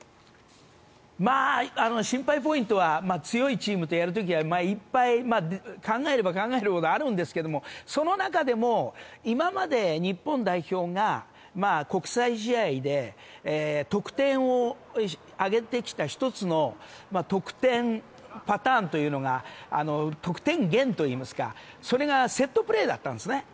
心配ポイントは強いチームとやる時はいっぱい考えれば考えるほどあるんですがその中でも今まで日本代表が国際試合で得点を挙げてきた１つの得点パターンというのが得点源といいますか、それがセットプレーだったんです。